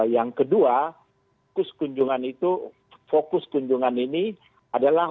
yang kedua fokus kunjungan ini adalah